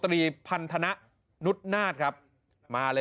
ทรีพันธนตร์นุตนาท